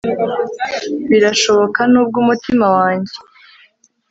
Birashoboka nubwo umutima wanjye